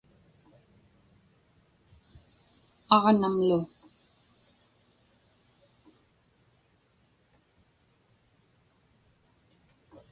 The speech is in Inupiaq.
aġnamlu